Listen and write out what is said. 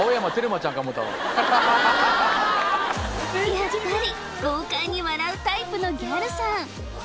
やっぱり豪快に笑うタイプのギャルさん